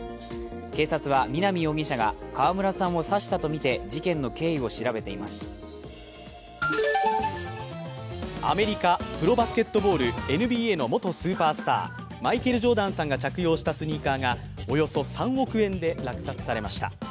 警察は南容疑者が川村さんを刺したとみて事件の経緯を調べてアメリカ、プロバスケットボールＮＢＡの元スーパースターマイケル・ジョーダンさんが着用したスニーカーがおよそ３億円で落札されました。